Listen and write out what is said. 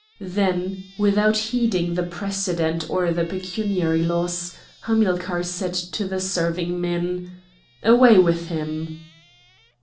Then, without heeding the precedent or the pecuniary loss, Hamilcar said to the serving men: "Away with him!"